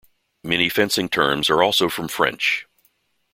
Many fencing terms are also from French.